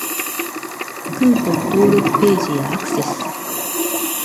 クーポン登録ページへアクセス